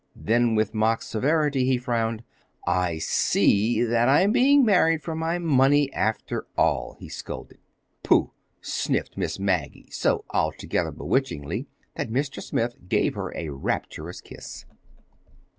Then with mock severity he frowned. "I see—that I'm being married for my money—after all!" he scolded. "Pooh!" sniffed Miss Maggie, so altogether bewitchingly that Mr. Smith gave her a rapturous kiss.